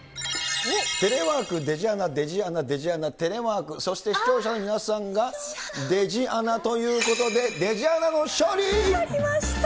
テレワーク、デジアナ、デジアナ、デジアナ、テレワーク、そして視聴者の皆さんがデジアナということで、やりました。